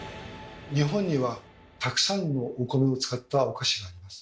日本にはたくさんのお米を使ったお菓子があります。